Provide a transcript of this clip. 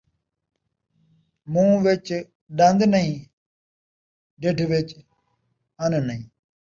مون٘ہہ وِچ ݙن٘د نئیں ، ڈھڈھ وِچ ان نئیں